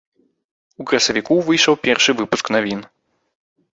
У красавіку выйшаў першы выпуск навін.